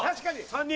３人！